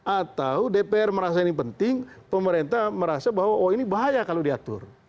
atau dpr merasa ini penting pemerintah merasa bahwa oh ini bahaya kalau diatur